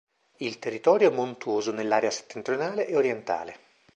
Il territorio è montuoso nell'area settentrionale e orientale.